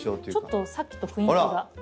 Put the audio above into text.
ちょっとさっきと雰囲気が。